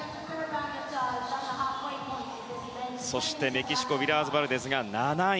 そしてメキシコウィラーズバルデズが７位。